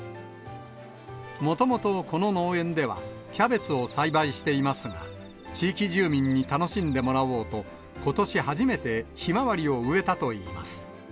もともとこの農園では、キャベツを栽培していますが、地域住民に楽しんでもらおうと、ことし初めてヒマワリを植えたといいます。